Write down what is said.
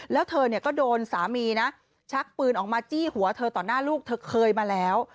แล้วเธอเนี่ยก็โดนสามีนะชักปืนออกมาจี้หัวเธอต่อหน้าลูกเธอเคยมาแล้ว